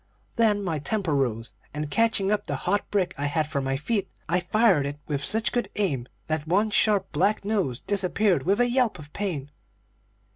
Then my temper rose, and catching up the hot brick I had for my feet, I fired it with such good aim that one sharp, black nose disappeared with a yelp of pain.